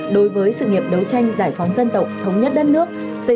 đối với sự nghiệp đấu tranh giải phóng dân tộc thống nhất đất nước